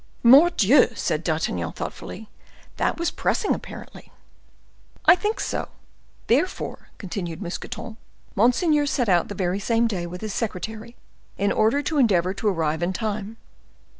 '" "Mordioux!" said D'Artagnan, thoughtfully, "that was pressing, apparently." "I think so; therefore," continued Mousqueton, "monseigneur set out the very same day with his secretary, in order to endeavor to arrive in time."